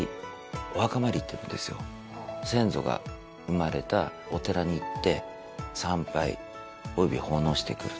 先祖が生まれたお寺に行って参拝および奉納してくると。